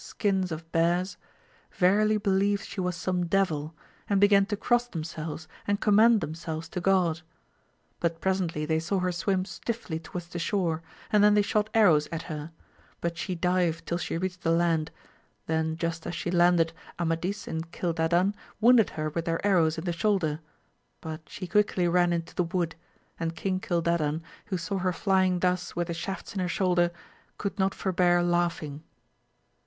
skins of bears, verily believed she was some devil, and began to cross themselves and commend themselves to God ; but presently they saw her swim stiffly to wards the shore, and then they shot arrows at her, but she dived till she reached the land, then just as she landed Amadis and Cildadan wounded her with their arrows in the shoulder ; but she quickly ran into the wood, and King Cildadan who saw her flying thus with the shafts in her shoulder, could not forbear laughing.